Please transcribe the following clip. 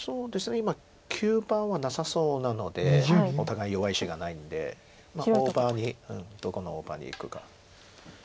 今急場はなさそうなのでお互い弱い石がないので大場にどこの大場にいくか。